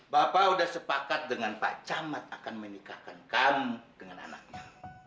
bapak sudah sepakat dengan pak camat akan menikahkan kami dengan anaknya